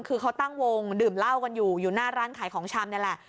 คือเขาตั้งวงดื่มเหล้ากันอยู่อยู่หน้าร้านขายของชำนี่แหละ